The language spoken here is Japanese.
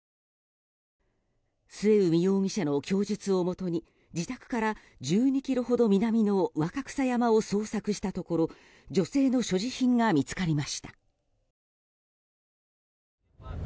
末海容疑者の供述をもとに自宅から１２ｋｍほど南の若草山を捜索したところ女性の所持品が見つかりました。